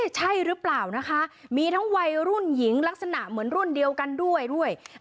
ใช่หรือเปล่านะคะมีทั้งวัยรุ่นหญิงลักษณะเหมือนรุ่นเดียวกันด้วยด้วย